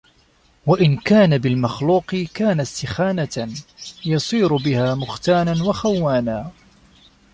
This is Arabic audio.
وَإِنْ كَانَ بِالْمَخْلُوقِ كَانَ اسْتِخَانَةً يَصِيرُ بِهَا مُخْتَانًا وَخَوَّانًا